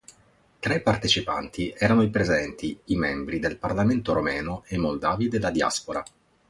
Tra i partecipanti erano presenti i membri del Parlamento Romeno e moldavi della Diaspora.